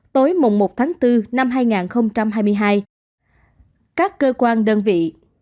tối mùng một tháng bốn năm hai nghìn hai mươi hai các cơ quan đơn vị